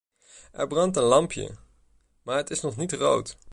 Er brandt een lampje, maar het is nog niet rood.